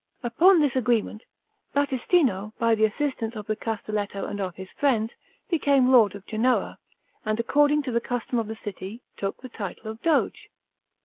Upon this agreement, Battistino, by the assistance of the Castelletto and of his friends, became lord of Genoa; and according to the custom of the city, took the title of Doge.